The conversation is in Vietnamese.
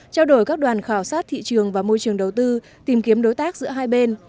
trao đổi các đoàn khảo sát thị trường và môi trường đầu tư tìm kiếm đối tác giữa hai bên